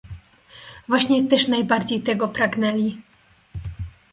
"Właśnie też najbardziej tego pragnęli."